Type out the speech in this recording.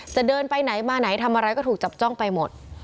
จะเดินไปไหนมาไหนทำอะไรก็ถูกจับจ้องไปหมด